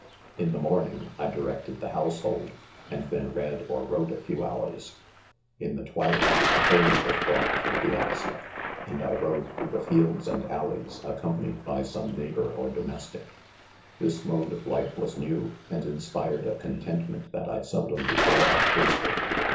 'In .the morning I. directed the household, ■and then read or wrote a few hours. In the twilight a .pony was brought to the piazza, THE CONFESSIONS. 69 and I rode through the fields and alleys ac companied by some neighbor or domestic. —• This mode of life was new, and inspired a con tentment that I seldom before had tasted.